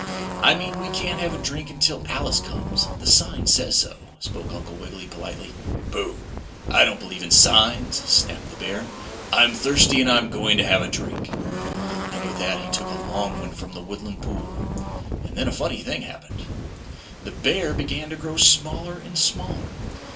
"I mean we can't have a drink until Alice comes the sign says so," spoke Uncle Wiggily, politely. "Pooh! I don't believe in signs," snapped the bear. "I'm thirsty and I'm going to have a drink," and with that he took a long one from the woodland pool. And then a funny thing happened. The bear began to grow smaller and smaller.